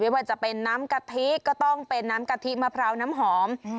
ว่าจะเป็นน้ำกะทิก็ต้องเป็นน้ำกะทิมะพร้าวน้ำหอม